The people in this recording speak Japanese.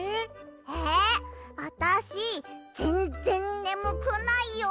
えあたしぜんぜんねむくないよ！